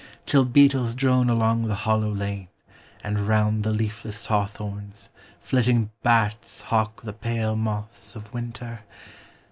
Till beetles drone along the hollow lane, And round the leafless hawthorns, flitting bats Hawk the pale moths of winter